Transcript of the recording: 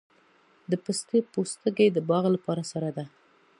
د پستې پوستکي د باغ لپاره سره ده؟